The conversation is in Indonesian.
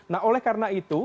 nah oleh karena itu